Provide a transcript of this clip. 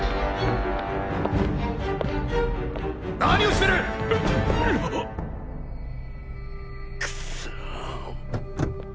何をしてる⁉うっ⁉くっそ！！